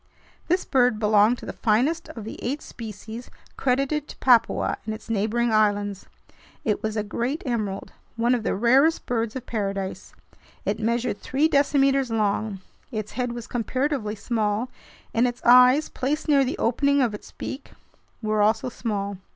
This bird belonged to the finest of the eight species credited to Papua and its neighboring islands. It was a "great emerald," one of the rarest birds of paradise. It measured three decimeters long. Its head was comparatively small, and its eyes, placed near the opening of its beak, were also small.